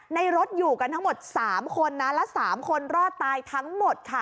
รถอยู่กันทั้งหมด๓คนนะและ๓คนรอดตายทั้งหมดค่ะ